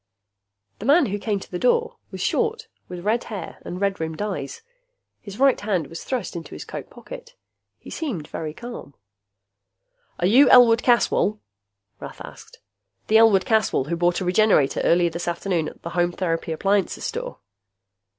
The man who came to the door was short, with red hair and red rimmed eyes. His right hand was thrust into his coat pocket. He seemed very calm. "Are you Elwood Caswell?" Rath asked. "The Elwood Caswell who bought a Regenerator early this afternoon at the Home Therapy Appliances Store?"